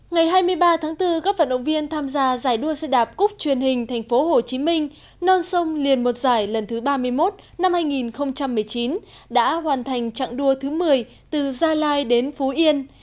ngày hai mươi ba tháng bốn các vận động viên tham gia giải đua xe đạp cúc truyền hình tp hcm non sông liền một giải lần thứ ba mươi một năm hai nghìn một mươi chín đã hoàn thành trạng đua thứ một mươi từ gia lai đến phú yên